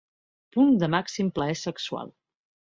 Punt de màxim plaer sexual.